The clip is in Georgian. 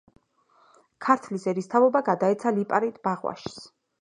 ქართლის ერისთავობა გადაეცა ლიპარიტ ბაღვაშს.